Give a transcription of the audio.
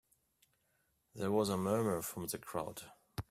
There was a murmur from the crowd.